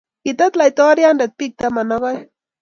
kitet laitoriande biik taman ak oeng'